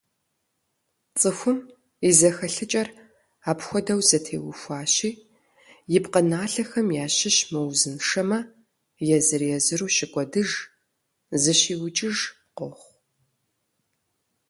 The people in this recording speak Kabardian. ЦӀыхум и зэхэлъыкӀэр апхуэдэу зэтеухуащи, и пкъыналъэхэм ящыщ мыузыншэмэ, езыр-езыру щыкӀуэдыж, «зыщиукӀыж» къохъу.